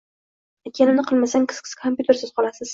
aytganimni qilmasang kompyutersiz qolasan.